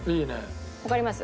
わかります？